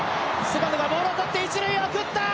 セカンドがボールを捕って一塁へ送った！